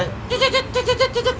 tidak tidak tidak tidak